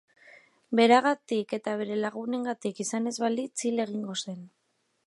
Beragatik eta bere lagunengatik izan ez balitz hil egingo zen.